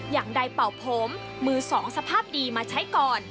อย่างใดเป่าผมมือสองสภาพดีมาใช้ก่อน